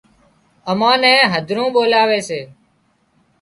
امان نين هڌرون ٻولاوي سي